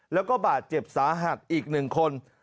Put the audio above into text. แล้วก็บาดเจ็บสาหักอีกหนึ่งคน